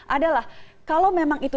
adalah kalau memang itu